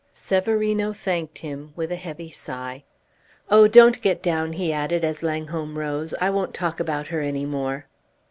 Severino thanked him, with a heavy sigh. "Oh, don't get down," he added, as Langholm rose. "I won't talk about her any more."